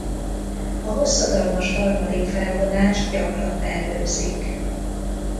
A hosszadalmas harmadik felvonást gyakran mellőzik.